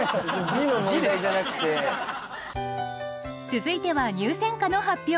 続いては入選歌の発表。